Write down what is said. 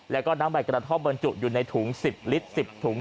แล้วก็น้ำใบกระท่อมบรรจุอยู่ในถุง๑๐ลิตร๑๐ถุง